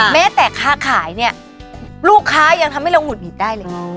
แม้แต่ค้าขายเนี่ยลูกค้ายังทำให้เราหุดหงิดได้เลย